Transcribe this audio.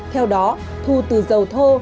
theo đó thu từ dầu thô